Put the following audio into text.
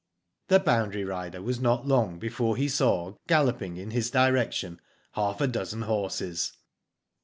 '* The boundary rider was not long before he saw galloping in his direction half a dozen horses.